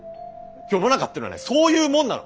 世の中ってのはねそういうもんなの！